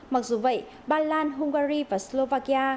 mặc dù vậy ba lan hungary và slovakia